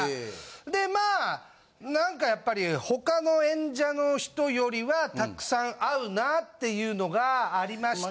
でまあ何かやっぱり他の演者の人よりはたくさん会うなっていうのがありまして。